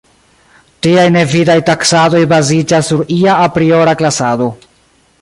Tiaj ne vidaj taksadoj baziĝas sur ia apriora klasado.